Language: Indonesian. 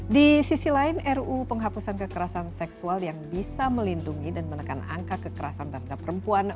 di sisi lain ru penghapusan kekerasan seksual yang bisa melindungi dan menekan angka kekerasan terhadap perempuan